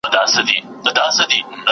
د مېوو تازه توب د ذائقې خوند دی.